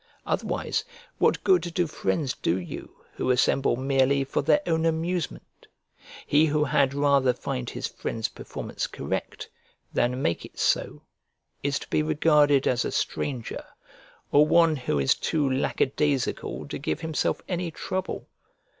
Otherwise, what good do friends do you who assemble merely for their own amusement? He who had rather find his friend's performance correct, than make it so, is to be regarded as a stranger, or one who is too lackadaisical to give himself any trouble.